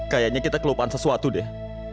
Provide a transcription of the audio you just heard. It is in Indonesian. kayaknya kita kelupaan sesuatu deh